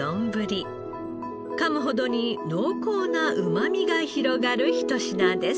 かむほどに濃厚なうまみが広がるひと品です。